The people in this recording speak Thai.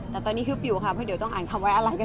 แต่ตอนนี้คือปิวค่ะเพราะเดี๋ยวต้องอ่านคำไว้อะไรกัน